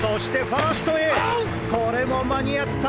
・これも間に合った！